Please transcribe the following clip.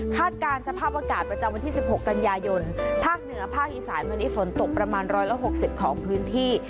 การสภาพอากาศประจำวันที่๑๖กันยายนภาคเหนือภาคอีสานวันนี้ฝนตกประมาณ๑๖๐ของพื้นที่